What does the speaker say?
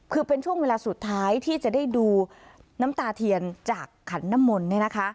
คือเป็นช่วงเวลาสุดท้ายที่จะได้ดูน้ำตาเทียนจากขันน้ำมนต์เนี่ยนะคะ